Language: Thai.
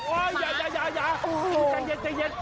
โอ้ยอย่าอย่าอย่าอย่า